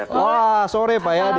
selamat sore dari kanada